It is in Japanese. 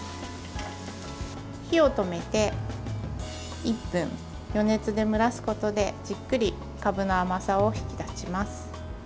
火を止めて１分余熱で蒸らすことでじっくりかぶの甘さが引き立ちます。